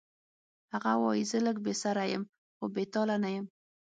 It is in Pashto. هغه وایی زه لږ بې سره یم خو بې تاله نه یم